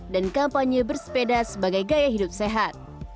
dan kampanye bersepeda sebagai gaya hidup sepeda